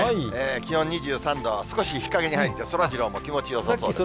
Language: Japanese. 気温２３度、少し日陰に入るとそらジローも気持ちよさそうです。